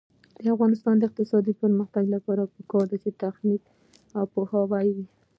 د افغانستان د اقتصادي پرمختګ لپاره پکار ده چې تخنیک پوهان وي.